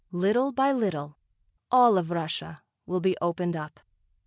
Little by little all of Russia will be opened up...."